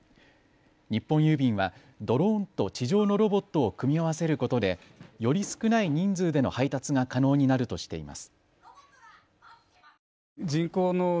日本郵便はドローンと地上のロボットを組み合わせることでより少ない人数での配達が可能になるとしています。